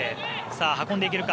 運んでいけるか。